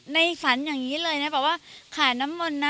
ในฝันอย่างนี้เลยนะบอกว่าขายน้ำมนต์นะ